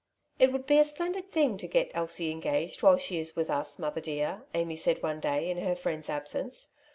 '' It would be a splendid thing to get Elsie engaged while she is with us, mother dear/* Amy said one day in her friend's absence.